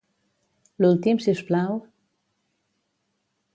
L'últim, si us plau?